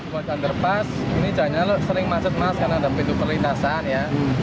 kalau underpass ini jalannya sering macet mas karena ada pintu perlintasan ya